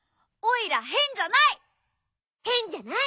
へんじゃないね。